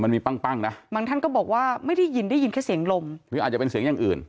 มันมีปั้งปั้งนะบางท่านก็บอกว่าไม่ได้ยินได้ยินแค่เสียงลมหรืออาจจะเป็นเสียงอย่างอื่น